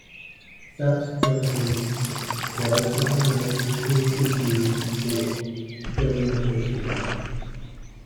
Subsequently, Darrell's Island was briefly used for film location work.